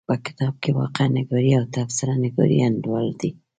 په کتاب کې واقعه نګاري او تبصره نګاري انډول دي.